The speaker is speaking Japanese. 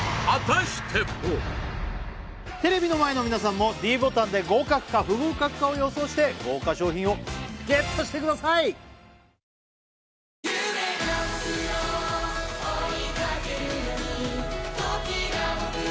テレビの前の皆さんもｄボタンで合格か不合格かを予想して豪華賞品をＧＥＴしてくださいは果たして札をあげてください